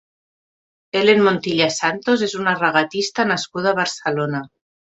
Helen Montilla Santos és una regatista nascuda a Barcelona.